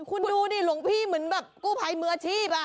คุณดูดิหลวงพี่เหมือนแบบกู้ภัยมืออาชีพ